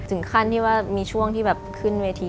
ถึงขั้นที่ว่ามีช่วงที่แบบขึ้นเวที